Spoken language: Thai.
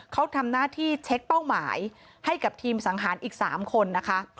เขาทำหน้าที่เช็คเป้าหมายให้กับทีมสังหารอีก๓คนนะคะ